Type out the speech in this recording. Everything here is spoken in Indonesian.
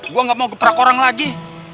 gue gak mau geprak orang lagi